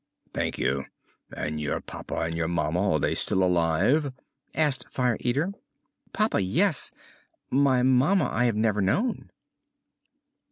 "Thank you! And your papa and your mamma, are they still alive?" asked Fire Eater. "Papa, yes; my mamma I have never known."